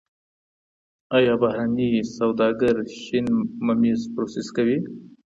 ایا بهرني سوداګر شین ممیز پروسس کوي؟